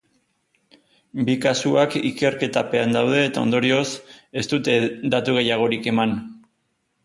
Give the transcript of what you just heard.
Bi kasuak ikerketapean daude eta, ondorioz, ez dute datu gehiagorik eman.